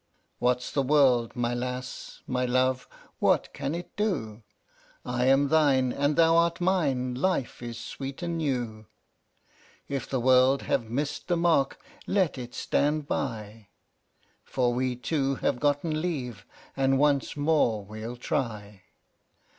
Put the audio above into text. II. What's the world, my lass, my love! what can it do? I am thine, and thou art mine; life is sweet and new. If the world have missed the mark, let it stand by, For we two have gotten leave, and once more we'll try.